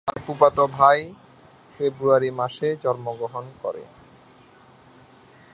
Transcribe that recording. তার ফুফাতো ভাই ফেব্রুয়ারি মাসে জন্মগ্রহণ করে।